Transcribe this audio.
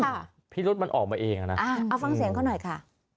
พิรุษมันออกมาเองอ่ะนะอ่าเอาฟังเสียงเขาหน่อยค่ะ